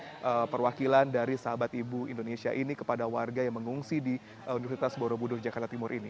kepada perwakilan dari sahabat ibu indonesia ini kepada warga yang mengungsi di universitas borobudur jakarta timur ini